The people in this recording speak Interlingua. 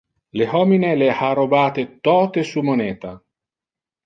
Le homine le ha robate tote su moneta.